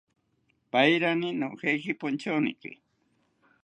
Paerani nojeki ponchoniki